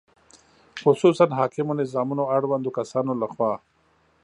خصوصاً حاکمو نظامونو اړوندو کسانو له خوا